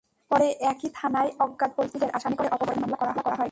পরে একই থানায় অজ্ঞাতপরিচয় ব্যক্তিদের আসামি করে অপহরণ মামলা করা হয়।